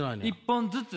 １本ずつ。